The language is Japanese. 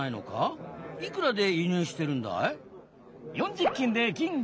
いくらで輸入してるんだい？